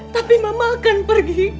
tapi mama akan pergi